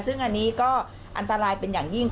ซึ่งอันนี้ก็อันตรายเป็นอย่างยิ่ง